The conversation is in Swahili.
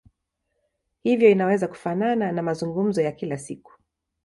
Hivyo inaweza kufanana na mazungumzo ya kila siku.